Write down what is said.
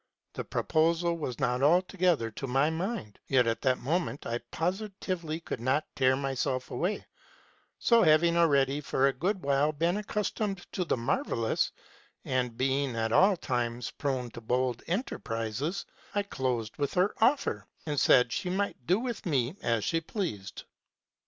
The proposal was not altogether to my mind, yet at this moment I positively could not tear myself away : so, having already for a good while been accustomed to the marvellous, and being at all times prone to bold enterprises, I closed with her offer, and said she might do with me as she pleased.